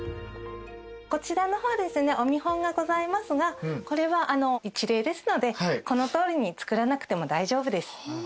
こちらの方ですねお見本がございますがこれは一例ですのでこのとおりにつくらなくても大丈夫です。